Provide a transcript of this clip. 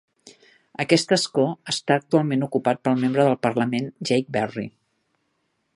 Aquest escó està actualment ocupat pel Membre del Parlament Jake Berry.